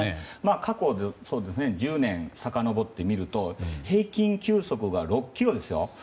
過去１０年、さかのぼってみると平均球速が６キロですよ。